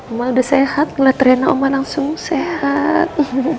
omang udah sehat ngeliat rena omang langsung sehat